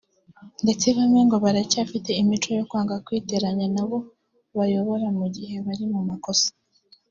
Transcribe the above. ndetse bamwe ngo baracyafite imico yo kwanga kwiteranya n’abo bayobora mu gihe bari mu makosa